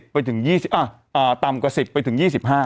๑๐ไปถึง๒๐อ้อต่ำกว่า๑๐ไปถึง๒๕